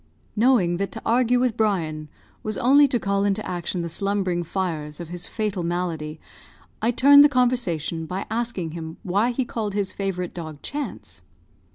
Knowing that to argue with Brian was only to call into action the slumbering fires of his fatal malady, I turned the conversation by asking him why he called his favourite dog Chance?